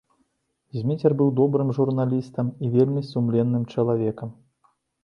Зміцер быў добрым журналістам і вельмі сумленным чалавекам.